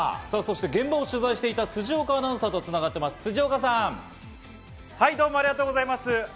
そして現場を取材していた辻岡アナウンサーとつながっています。